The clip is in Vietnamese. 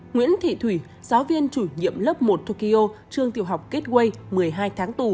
nguyễn thị thủy giáo viên chủ nhiệm lớp một tokyo trường tiểu học gateway một mươi hai tháng tù